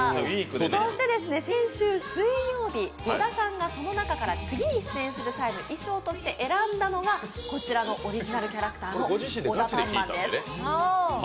そして先週水曜日小田さんがその中から次に出演する際の衣装として選んだのが、こちらのオリジナルキャラクターのオダパンマンです。